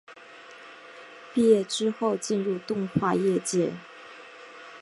毕业之后进入动画业界。